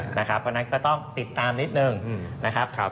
เพราะฉะนั้นก็ต้องติดตามนิดนึงนะครับ